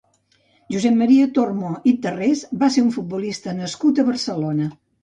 Josep Maria Tormo i Tarrés va ser un futbolista nascut a Barcelona.